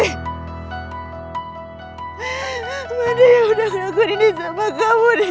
siapa yang udah ngaku ini sama kamu